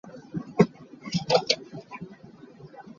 Bronze is an alloy of copper, containing about two percent tin.